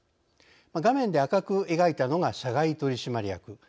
画面で赤く描いたのが社外取締役。